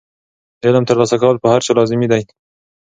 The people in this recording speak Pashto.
د علم ترلاسه کول په هر چا لازمي دي.